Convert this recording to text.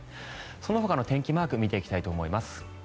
そのほかの天気マークを見ていきます。